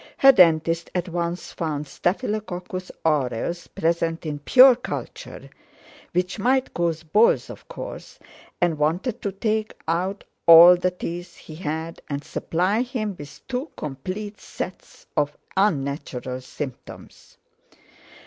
Her dentist at once found "Staphylococcus aureus present in pure culture" (which might cause boils, of course), and wanted to take out all the teeth he had and supply him with two complete sets of unnatural symptoms.